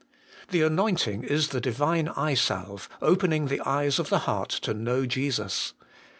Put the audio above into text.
' 4. The anointing is the Divine eye salve, opening the eyes of the heart to know Jesus.